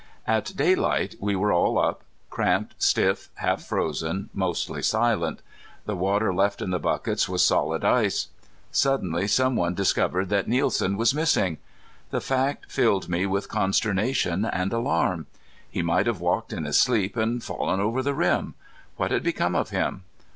At daylight we were all up, cramped, stiff, half frozen, mostly silent. The water left in the buckets was solid ice. Suddenly some one discovered that Nielsen was missing. The fact filled me with consternation and alarm. He might have walked in his sleep and fallen over the rim. What had become of him?